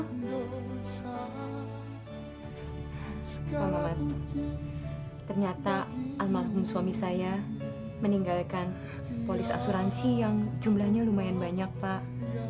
ternyata almarhum suami saya meninggalkan polis asuransi yang jumlahnya lumayan banyak pak